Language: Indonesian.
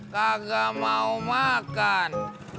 kagak mau makan